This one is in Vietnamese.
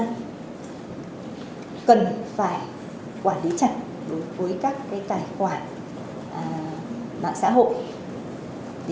phải quản lý chặt đối với các cái tài khoản mạng xã hội